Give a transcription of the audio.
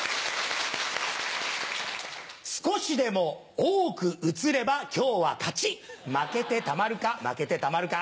少しでも多く写れば今日は勝ち負けてたまるか負けてたまるか。